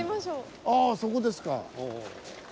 ああそこですか。